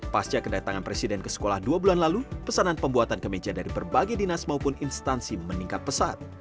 pasca kedatangan presiden ke sekolah dua bulan lalu pesanan pembuatan kemeja dari berbagai dinas maupun instansi meningkat pesat